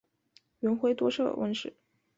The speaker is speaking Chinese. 元晖多涉文史。